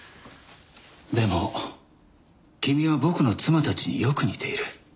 でも君は僕の妻たちによく似ている。